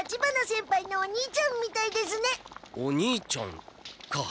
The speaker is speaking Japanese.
お兄ちゃんか。